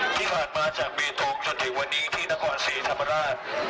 ที่ผ่านมาจากเบียดตรงจนถึงวันนี้ที่นักขวะศรีธรรมดา